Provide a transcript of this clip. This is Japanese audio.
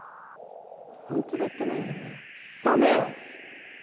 本気で言ってないよね？だめよ！